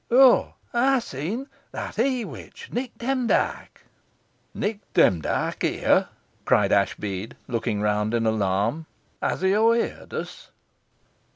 "Oh, ey seen, that he witch, Nick Demdike." "Nick Demdike here!" cried Ashbead, looking round in alarm. "Has he owerheert us?"